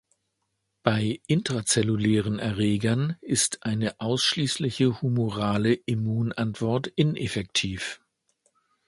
Bei intrazellulären Erregern ist eine ausschließliche humorale Immunantwort ineffektiv.